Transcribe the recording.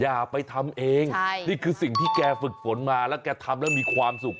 อย่าไปทำเองนี่คือสิ่งที่แกฝึกฝนมาแล้วแกทำแล้วมีความสุข